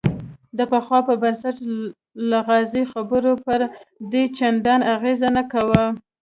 د پخوا په نسبت لغازي خبرو پر ده چندان اغېز نه کاوه.